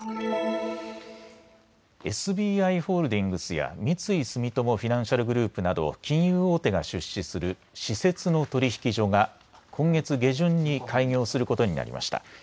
ＳＢＩホールディングスや三井住友フィナンシャルグループなど金融大手が出資する私設の取引所が今月下旬に開業することになりました。